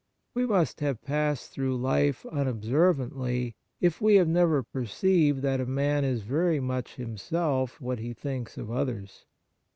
We must have passed through life unobservantly if we have never perceived that a man is very much himself what he thinks of others.